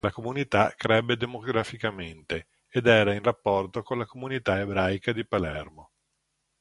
La comunità crebbe demograficamente ed era in rapporto con la comunità ebraica di Palermo.